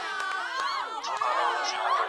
ولي مدام هڅاند د مخکښ سړي په پرتله لوړ مقام نیسي؟